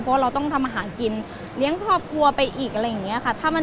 เพราะว่าเราต้องทำอาหารกินเลี้ยงครอบครัวไปอีกอะไรอย่างนี้ค่ะ